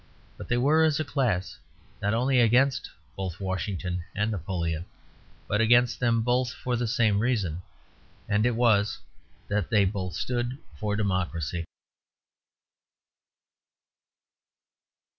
But they were, as a class, not only against both Washington and Napoleon, but against them both for the same reason. And it was that they both stood for democracy.